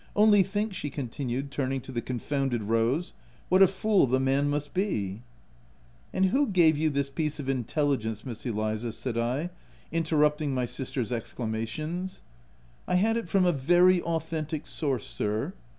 Only think," she continued, turning to the confounded Rose, u what a fool the man must be !"" And who gave you this piece of intelligence, Miss Eliza ?*' said I, interrupting my sister's exclamations. u I had it from a very authentic source, sir."